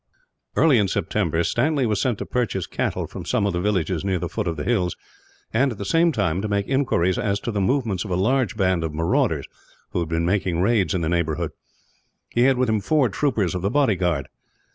Early in September, Stanley was sent to purchase cattle from some of the villages near the foot of the hills and, at the same time, to make inquiries as to the movements of a large band of marauders who had been making raids in that neighbourhood. He had with him four troopers of the bodyguard.